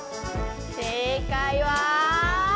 正解は？